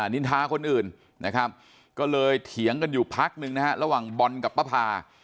นินทาคนอื่นนะครับก็เลยเถียงกันอยู่พักนึงนะฮะระหว่างบอลกับป้าพา